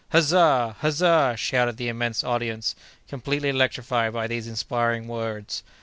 "Huzza! huzza!" shouted the immense audience, completely electrified by these inspiring words.